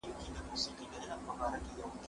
زه پرون د کتابتوننۍ سره مرسته کوم،